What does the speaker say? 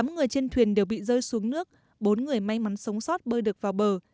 tám người trên thuyền đều bị rơi xuống nước bốn người may mắn sống sót bơi được vào bờ